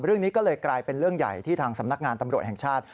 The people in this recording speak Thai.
เรื่องนี้ก็เลยกลายเป็นเรื่องใหญ่ที่ทางสำนักงานตำรวจแห่งชาติ